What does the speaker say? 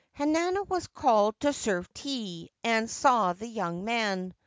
Hanano was called to serve tea, and saw the young man.